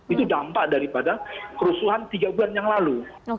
itu dampak daripada kerusuhan tiga bulan yang lalu